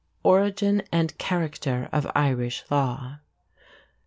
ORIGIN AND CHARACTER OF IRISH LAW.